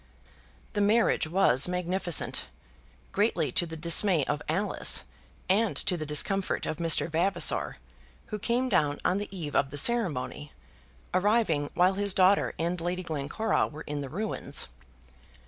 The marriage was magnificent, greatly to the dismay of Alice and to the discomfort of Mr. Vavasor, who came down on the eve of the ceremony, arriving while his daughter and Lady Glencora were in the ruins.